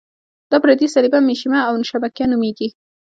دا پردې صلبیه، مشیمیه او شبکیه نومیږي.